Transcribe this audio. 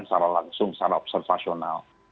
secara langsung secara observasional